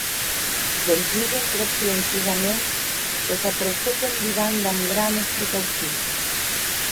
Dempús entrèc silenciosaments e s’apressèc en divan damb granes precaucions.